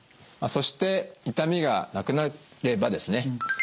そして痛みがなくなればですね